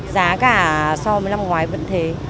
giá cả so với năm ngoái vẫn thế